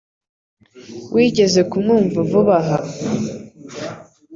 Wigeze kumwumva vuba aha?